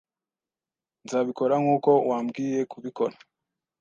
Nzabikora nkuko wambwiye kubikora